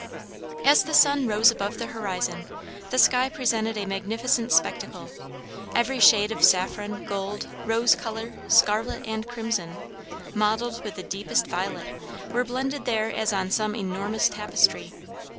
As the sun rose above the horizon, the sky presented a magnificent spectacle. Every shade of saffron, gold, rose color, scarlet, and crimson, mottled with the deepest violet, were blended there as on some enormous tapestry.